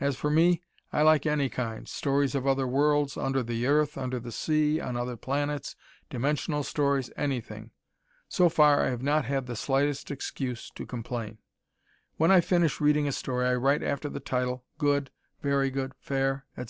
As for me, I like any kind, stories of other worlds, under the earth, under the sea, on other planets, dimensional stories, anything. So far I have not had the slightest excuse to complain. When I finish reading a story I write after the title, "good," "very good," "fair," etc.